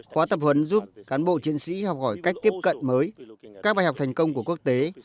khóa tập huấn giúp cán bộ chiến sĩ học hỏi cách tiếp cận mới các bài học thành công của quốc tế